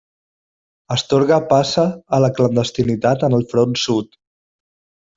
Astorga passa a la clandestinitat en el Front Sud.